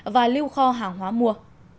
và lưu kho hàng hóa mua